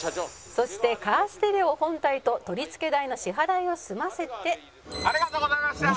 「そしてカーステレオ本体と取り付け代の支払いを済ませて」ありがとうございました！